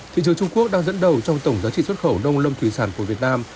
thị trường trung quốc đang dẫn đầu trong tổng giá trị xuất khẩu nông lâm thủy sản của việt nam